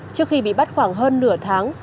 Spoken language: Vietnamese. trước khi bị bắt khoảng hơn nửa tháng